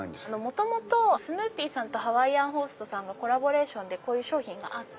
元々スヌーピーさんとハワイアンホーストさんのコラボレーションで商品があって。